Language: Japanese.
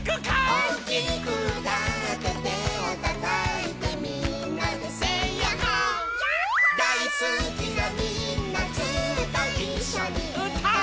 「おおきくうたっててをたたいてみんなでセイやっほー☆」やっほー☆「だいすきなみんなずっといっしょにうたおう」